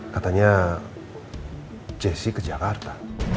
katanya jesse ke jakarta